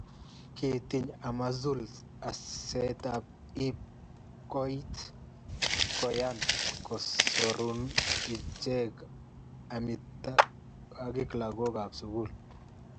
Kitiny Amazulu asenoto ib koit koyan kosorune icheget amitwogikab lagokab sukul